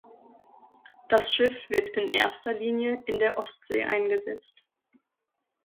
Das Schiff wird in erster Linie in der Ostsee eingesetzt.